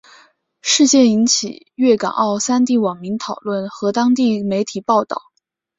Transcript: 事件引起粤港澳三地网民讨论和当地媒体报导。